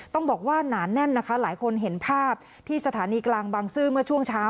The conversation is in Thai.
ต้องบอกว่าหนาแน่นนะคะหลายคนเห็นภาพที่สถานีกลางบางซื่อเมื่อช่วงเช้า